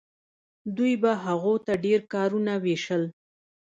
دوی به هغو ته ډیر کارونه ویشل.